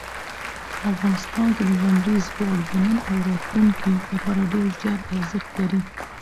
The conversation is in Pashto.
افغانستان کې لمریز ځواک د نن او راتلونکي لپاره ډېر زیات ارزښت لري.